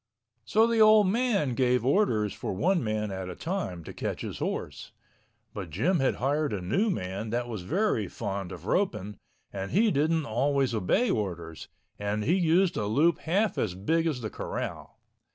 So the old man gave orders for one man at a time to catch his horse—but Jim had hired a new man that was very fond of roping and he didn't always obey orders, and he used a loop half as big as the corral.